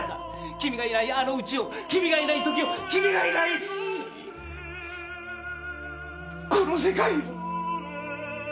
君がいないあの家を君がいない時を君がいないこの世界を。